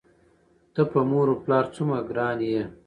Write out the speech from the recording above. ته په مور و پلار څومره ګران یې؟!